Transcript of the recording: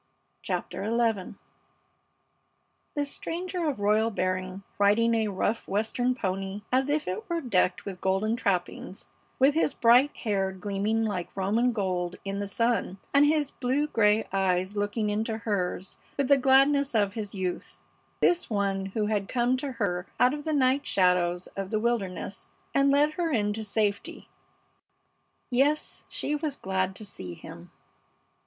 CHAPTER XI This stranger of royal bearing, riding a rough Western pony as if it were decked with golden trappings, with his bright hair gleaming like Roman gold in the sun, and his blue gray eyes looking into hers with the gladness of his youth; this one who had come to her out of the night shadows of the wilderness and led her into safety! Yes, she was glad to see him.